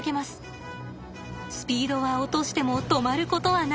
スピードは落としても止まることはない。